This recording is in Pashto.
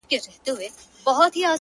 څوک چي د مار بچی په غېږ کي ګرځوینه!